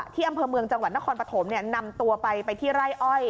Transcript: อำเภอเมืองจังหวัดนครปฐมนำตัวไปไปที่ไร่อ้อย